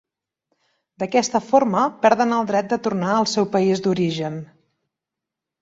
D'aquesta forma, perden el dret de tornar al seu país d'origen.